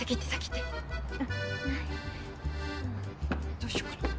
どうしよっかな。